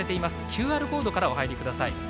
ＱＲコードからお入りください。